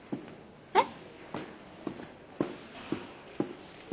えっ！？